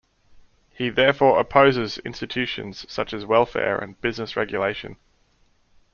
He therefore opposes institutions such as welfare and business regulation.